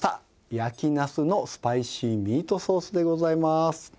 焼きなすのスパイシーミートソースでございます。